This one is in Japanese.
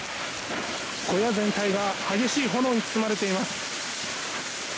小屋全体が激しい炎に包まれています。